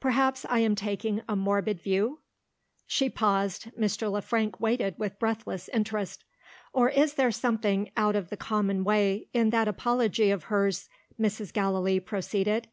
Perhaps, I am taking a morbid view?" She paused. Mr. Le Frank waited with breathless interest. "Or is there something out of the common way, in that apology of hers?" Mrs. Gallilee proceeded.